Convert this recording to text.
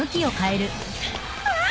あっ！